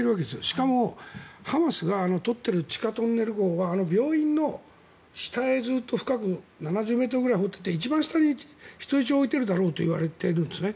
しかもハマスが取ってる地下トンネル壕は病院の下へずっと深く７０ｍぐらい掘っていて一番下に人質を置いているだろうといわれているんですね。